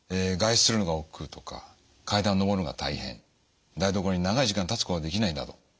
外出するのがおっくうとか階段を上るのが大変台所に長い時間立つことができないなど。